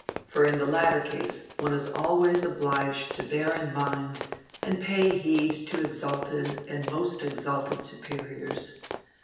For in the latter case one is always obliged to bear in mind and pay heed to exalted and most exalted superiors.